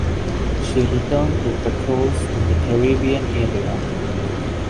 She returned to patrols in the Caribbean area.